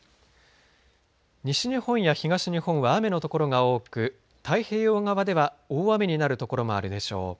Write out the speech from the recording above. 西日本や東日本は雨の所が多く太平洋側では大雨になる所もあるでしょう。